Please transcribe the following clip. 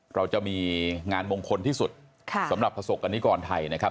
เราจะมีงานมงคลที่สุดสำหรับประสบกรณิกรไทยนะครับ